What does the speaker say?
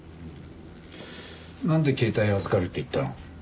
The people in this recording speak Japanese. なんで携帯を預かるって言ったの？